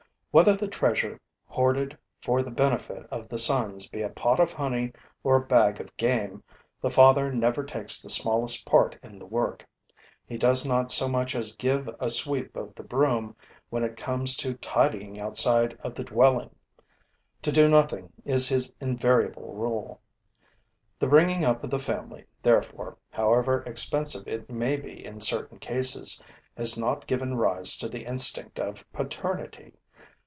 Whether the treasure hoarded for the benefit of the sons be a pot of honey or a bag of game, the father never takes the smallest part in the work. He does not so much as give a sweep of the broom when it comes to tidying the outside of the dwelling. To do nothing is his invariable rule. The bringing up of the family, therefore, however expensive it may be in certain cases, has not given rise to the instinct of paternity.